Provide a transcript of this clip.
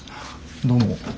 どうも。